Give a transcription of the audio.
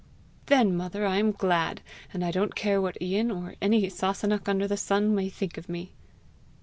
"Then, mother, I am glad; and I don't care what Ian, or any Sasunnach under the sun, may think of me."